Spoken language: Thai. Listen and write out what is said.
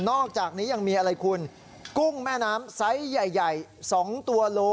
อกจากนี้ยังมีอะไรคุณกุ้งแม่น้ำไซส์ใหญ่๒ตัวโล